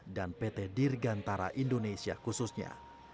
dan pt dirgantara indonesia khususnya